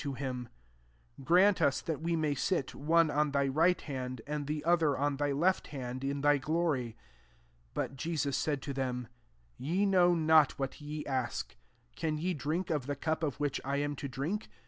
to him, " Grant us that we may sit, one on thy right hand, and the other on thy left hand, in thy giory." 38 But Jesus said to them, " Ye know not what ye ask : can ye drink of the cup of which I am to drink